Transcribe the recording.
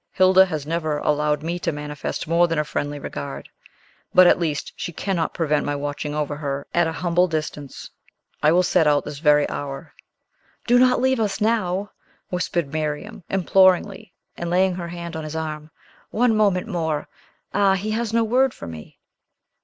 "Hilda has never allowed me to manifest more than a friendly regard; but, at least, she cannot prevent my watching over her at a humble distance. I will set out this very hour." "Do not leave us now!" whispered Miriam imploringly, and laying her hand on his arm. "One moment more! Ah; he has no word for me!"